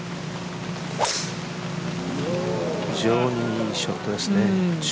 非常にいいショットですね。